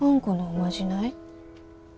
このおまじない？